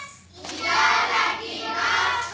いただきます。